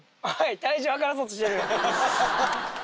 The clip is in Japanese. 体重はからそうとしてる。